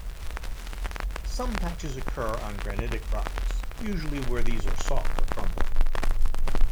Some patches occur on granitic rocks, usually where these are soft or crumbling.